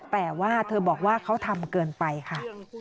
แต่ว่าเธอบอกว่าเขาทำเกินไปค่ะ